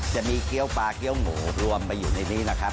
จะมีเกี้ยวปลาเกี้ยวหมูรวมไปอยู่ในนี้นะครับ